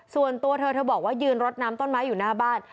ส่วนตัวเธอเธอบอกว่ายืนรดน้ำต้นไม้อยู่หน้าบ้าน